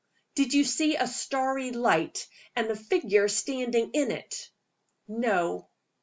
"Did you see a starry light, and a figure standing in it?" "No."